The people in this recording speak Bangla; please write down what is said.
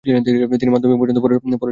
তিনি মাধ্যমিক পর্যন্ত পড়াশোনা করেছিলেন।